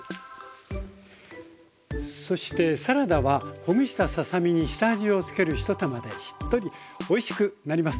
そしてサラダはほぐしたささ身に下味をつける一手間でしっとりおいしくなります。